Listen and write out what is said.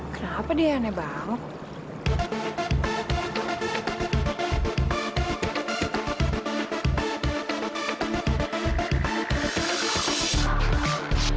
kenapa dia aneh banget